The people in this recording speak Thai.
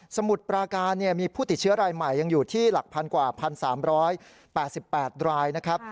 มุดปราการมีผู้ติดเชื้อรายใหม่ยังอยู่ที่หลักพันกว่า๑๓๘๘รายนะครับ